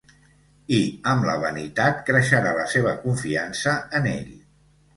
I amb la vanitat, creixerà la seva confiança en ell.